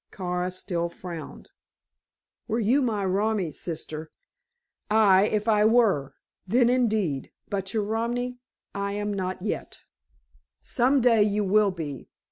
Kara still frowned. "Were you my romi, sister " "Aye, if I were. Then indeed. But your romi I am not yet." "Some day you will be.